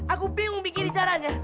aku bingung bikin dicaranya